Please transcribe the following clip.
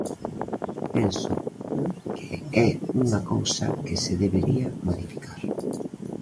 Penso que é unha cousa que se debería modificar.